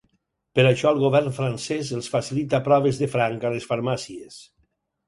Per això, el govern francès els facilita proves de franc a les farmàcies.